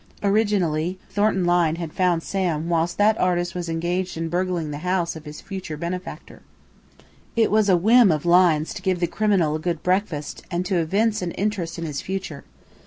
Originally, Thornton Lyne had found Sam whilst that artist was engaged in burgling the house of his future benefactor. It was a whim of Lyne's to give the criminal a good breakfast and to evince an interest in his future.